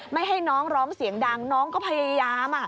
ไม่ให้น้องร้องเสียงดังน้องก็พยายาม